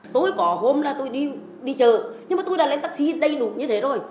tôi có hôm là tôi đi chờ nhưng mà tôi đã lên taxi đầy lục như thế thôi